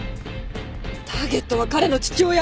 ターゲットは彼の父親？